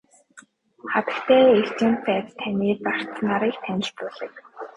Хатагтай элчин сайд таны зарц нарыг танилцуулъя.